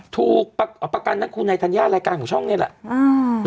ถูกเอาประกันนั้นคุณไอทัญญารายการของช่องนี้แหละ